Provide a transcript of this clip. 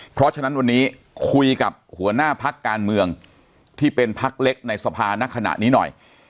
เพราะฉะนั้นวันนี้คุยกับหัวหน้าพักการเมืองที่เป็นพักเล็กในสภาณขณะนี้หน่อย